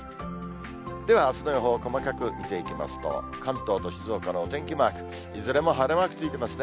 では、あすの予報、細かく見ていきますと、関東と静岡のお天気マーク、いずれも晴れマークついてますね。